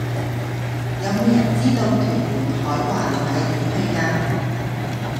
有無人知道屯門海華路係點去㗎